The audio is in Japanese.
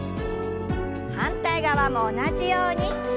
反対側も同じように。